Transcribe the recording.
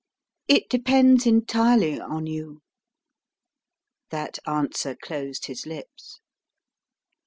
"It depends entirely on you." That answer closed his lips.